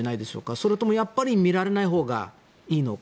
それともやっぱり見られないほうがいいのか？